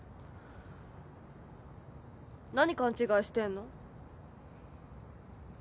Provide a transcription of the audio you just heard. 何勘違いしてんの？